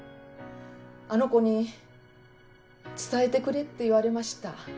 あの子に「伝えてくれ」って言われました。